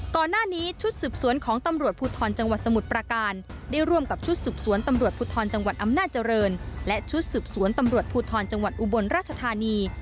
ก่อนหน้านี้ชุดสืบสวนของตำรวจภูทรจังหวัดสมุทรประการได้ร่วมกับชุดสืบสวนตำรวจภูทรจังหวัดอำนาจริงและชุดสืบสวนตำรวจภูทรจังหวัดอุบลราชธานี